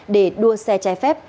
để đua xe trái phép